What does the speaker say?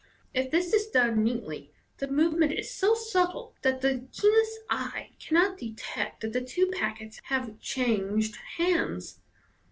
If this is done neatly, the movement is so subtle that the keenest eye cannot detect that the two packets have changed hands.